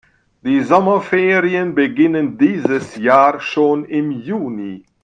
Die Sommerferien beginnen dieses Jahr schon im Juni.